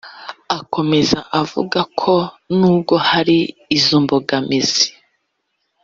Akomeza avuga ko n’ubwo hari izo mbogamizi